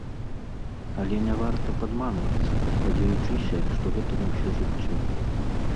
Але не варта падманвацца, спадзеючыся, што гэта на ўсё жыццё.